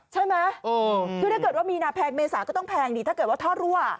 ใช่ไหมคือถ้าเกิดว่ามีนาแพงเมษาก็ต้องแพงดิถ้าเกิดว่าท่อรั่ว